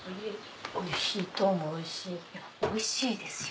おいしいですよ。